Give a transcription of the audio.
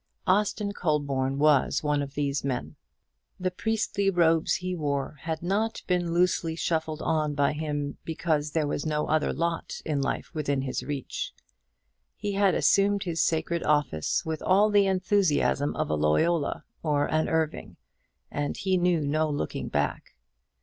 Austin Colborne was one of these men. The priestly robes he wore had not been loosely shuffled on by him because there was no other lot in life within his reach. He had assumed his sacred office with all the enthusiasm of a Loyola or an Irving, and he knew no looking back.